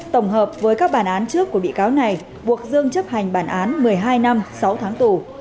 tổng hợp với các bản án trước của bị cáo này buộc dương chấp hành bản án một mươi hai năm sáu tháng tù